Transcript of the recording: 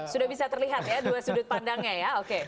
sudah bisa terlihat ya dua sudut pandangnya ya oke